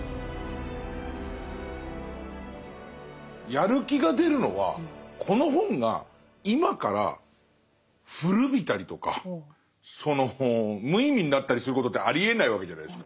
やる気が出るのはこの本が今から古びたりとかその無意味になったりすることってありえないわけじゃないですか。